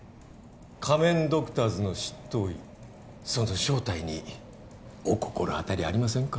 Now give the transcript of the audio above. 仮面ドクターズの執刀医その正体にお心当たりありませんか？